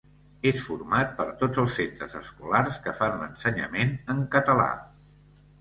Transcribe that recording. És format per tots els centres escolars que fan l'ensenyament en català.